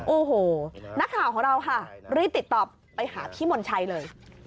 โอ้โหนักข่าวของเราค่ะรีบติดต่อไปหาพี่มนชัยเลย